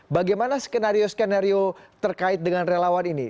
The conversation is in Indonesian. bagaimana skenario skenario terkait dengan relawan ini